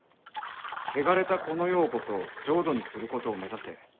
「汚れたこの世をこそ浄土にすることを目指せ」。